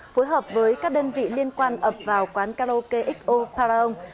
phối hợp với các đơn vị liên quan ập vào quán karaoke xo paralong